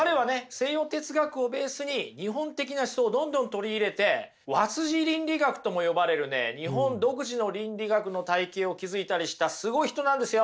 西洋哲学をベースに日本的な思想をどんどん取り入れて和倫理学とも呼ばれるね日本独自の倫理学の体系を築いたりしたすごい人なんですよ。